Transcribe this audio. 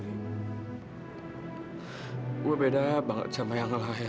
saya sangat berbeda dengan orang lain